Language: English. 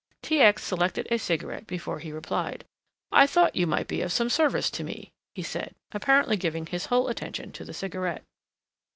T. X. selected a cigarette before he replied. "I thought you might be of some service to me," he said, apparently giving his whole attention to the cigarette.